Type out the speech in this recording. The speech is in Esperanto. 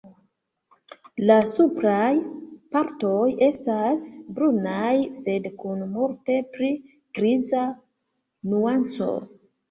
La supraj partoj estas brunaj sed kun multe pli griza nuanco.